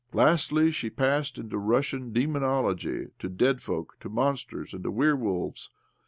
Lastly, she passed to Russian domonolpgy, to dead folk, to monsters, and to werewolves.